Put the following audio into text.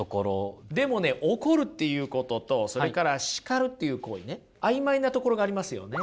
でもね怒るっていうこととそれから叱るっていう行為ね曖昧なところがありますよね。